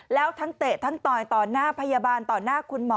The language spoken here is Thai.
แล้วทั้งเตะทั้งต่อยต่อหน้าพยาบาลต่อหน้าคุณหมอ